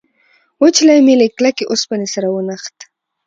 وچولی مې له کلکې اوسپنې سره ونښت.